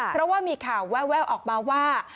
เพราะว่ามีข่าวแววออกมาว่า